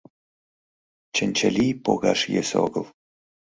Чынчыли погаш йӧсӧ огыл